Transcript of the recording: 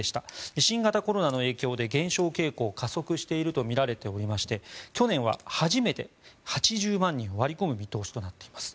新型コロナの影響で減少傾向が加速しているとみられておりまして去年は初めて８０万人を割り込む見通しとなっています。